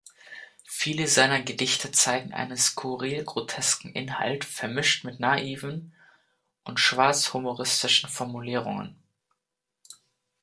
Viele seiner Gedichte zeigen einen skurril-grotesken Inhalt, vermischt mit naiven und schwarz-humoristischen Formulierungen.